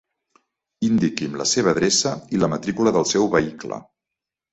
Indiqui'm la seva adreça i la matrícula del seu vehicle.